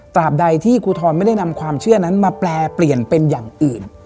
บใดที่ครูทรไม่ได้นำความเชื่อนั้นมาแปลเปลี่ยนเป็นอย่างอื่น